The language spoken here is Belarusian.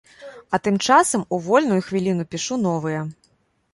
А тым часам у вольную хвіліну пішу новыя.